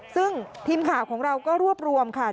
ซึ่งทีมข่าวของเราก็รวบรวมค่ะ